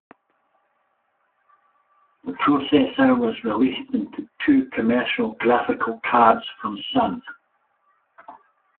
The processor was released into two commercial graphical cards from Sun.